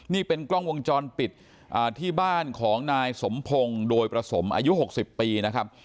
นี่เป็นกล้องวงจรปิดที่บ้านของนายสมพงศ์โดยประสมอายุ๖๐ปีนะครับ